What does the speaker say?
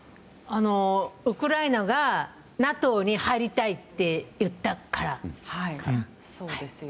ウクライナがＮＡＴＯに入りたいって言ったからかな。